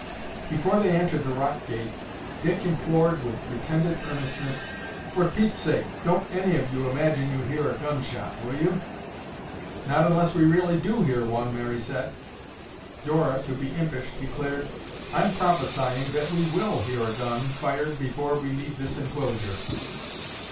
Before they entered the rock gate, Dick implored with pretended earnestness, "For Pete's sake, don't any of you imagine you hear a gun shot, will you?" "Not unless we really do hear one," Mary said. Dora, to be impish, declared, "I'm prophesying that we will hear a gun fired before we leave this enclosure."